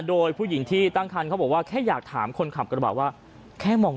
โดยผู้หญิงที่ตั้งคันเขาบอกว่าแค่อยากถามคนขับกระบะว่าแค่มอง